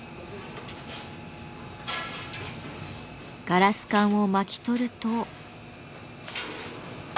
ガラス管を巻き取ると。